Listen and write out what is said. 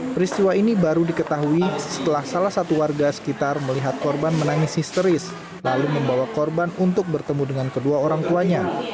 peristiwa ini baru diketahui setelah salah satu warga sekitar melihat korban menangis histeris lalu membawa korban untuk bertemu dengan kedua orang tuanya